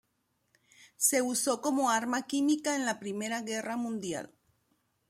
Se usó como arma química en la Primera Guerra Mundial.